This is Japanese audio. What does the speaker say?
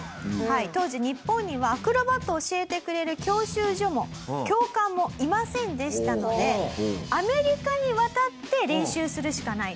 当時日本にはアクロバットを教えてくれる教習所も教官もいませんでしたのでアメリカに渡って練習するしかないと。